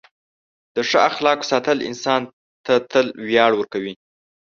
د ښه اخلاقو ساتل انسان ته تل ویاړ ورکوي.